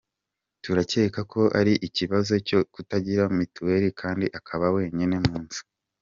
Turakeka ko ari ikibazo cyo kutagira Mitiweri kandi akaba wenyine mu nzu.